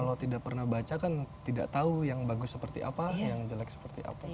kalau tidak pernah baca kan tidak tahu yang bagus seperti apa yang jelek seperti apa